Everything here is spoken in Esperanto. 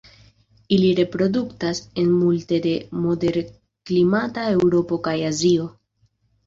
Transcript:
Ili reproduktas en multe de moderklimata Eŭropo kaj Azio.